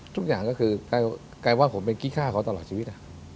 ทุกอย่างก็คือกลายว่าผมเป็นกี้ฆ่าเขาตลอดชีวิต